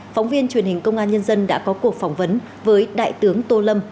phóng viên truyền hình công an nhân dân đã có cuộc phỏng vấn với đại tướng tô lâm